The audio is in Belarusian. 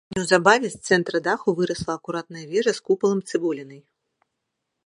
Неўзабаве з цэнтра даху вырасла акуратная вежка з купалам-цыбулінай.